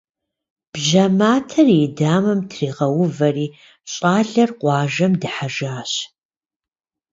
Бжьэ матэр и дамэм тригъэувэри, щӏалэр къуажэм дыхьэжащ.